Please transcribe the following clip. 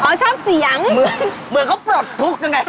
อ่าวอาวชอบเสียงเหมือนการปลอดภูกิง